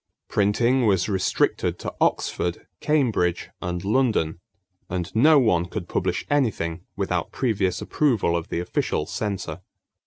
Printing was restricted to Oxford, Cambridge, and London; and no one could publish anything without previous approval of the official censor.